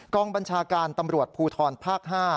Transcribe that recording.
กองบัญชาการตำรวจภูทรภาค๕